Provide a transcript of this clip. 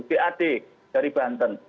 gad dari banten